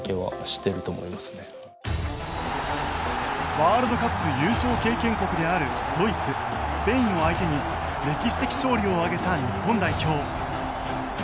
ワールドカップ優勝経験国であるドイツスペインを相手に歴史的勝利を挙げた日本代表。